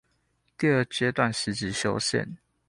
第二階段實質修憲